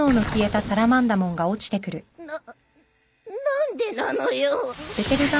な何でなのよ。